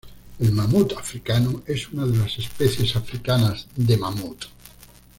El mamut africano es una de las especies africanas de mamut.